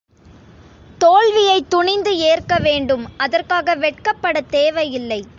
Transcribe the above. தோல்வியைத் துணிந்து ஏற்க வேண்டும் அதற்காக வெட்கப்படத் தேவை இல்லை.